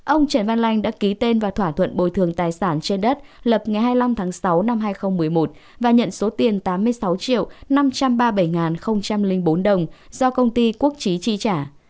ông trần văn lanh đã ký tên và thỏa thuận bồi thường tài sản trên đất lập ngày hai mươi năm tháng sáu năm hai nghìn một mươi một và nhận số tiền tám mươi sáu triệu năm trăm ba mươi bảy bốn đồng do công ty quốc trí chi trả